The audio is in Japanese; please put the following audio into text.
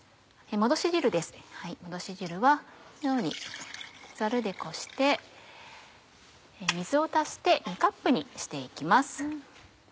もどし汁はこのようにざるでこして水を足して２カップにして行きます。